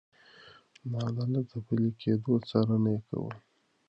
د عدالت د پلي کېدو څارنه يې کوله.